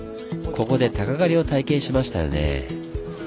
ここで鷹狩りを体験しましたよねぇ。